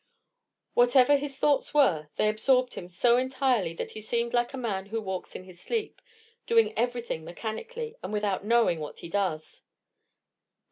Whatever his thoughts were, they absorbed him so entirely that he seemed like a man who walks in his sleep, doing everything mechanically, and without knowing what he does.